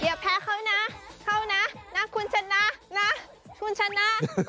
อย่าแพ้เขานะเขานะนะคุณชนะนะคุณชนะ